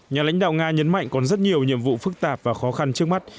nhà lãnh đạo nga nhấn mạnh còn rất nhiều nhiệm vụ phức tạp và khó khăn trước mắt